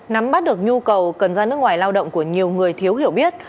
nắm bắt được nhu cầu cần ra nước ngoài lao động của nhiều người thiếu hiểu biết